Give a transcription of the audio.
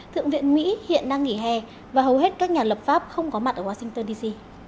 thượng viện mỹ hiện đang nghỉ hè và hầu hết các nhà lập pháp không có mặt ở washington dc